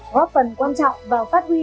góp phần quan trọng vào phát huy